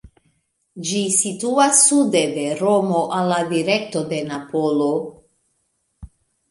Ĝi situas sude de Romo, al la direkto de Napolo.